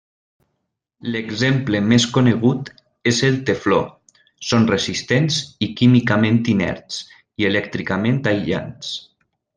L'exemple més conegut és el tefló, són resistents i químicament inerts i elèctricament aïllants.